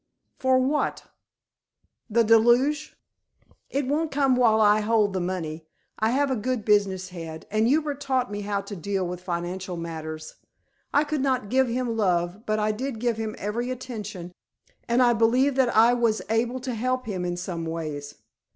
For what the Deluge?" "It won't come while I hold the money. I have a good business head, and Hubert taught me how to deal with financial matters. I could not give him love, but I did give him every attention, and I believe that I was able to help him in some ways.